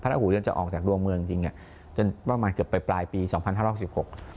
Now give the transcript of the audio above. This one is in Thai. หูยนจะออกจากดวงเมืองจริงอ่ะจนประมาณเกือบไปปลายปีสองพันห้าร้อยหกสิบหก